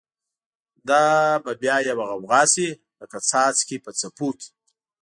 دا به بیا یوه غوغا شی، لکه څاڅکی په څپو کی